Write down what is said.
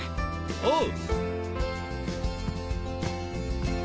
おう。